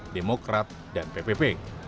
demokrat dan ppp